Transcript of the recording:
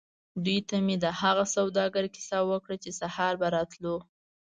دوی ته مې د هغه سوداګر کیسه وکړه چې سهار به راتلو.